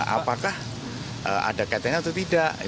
apakah ada kaitannya atau tidak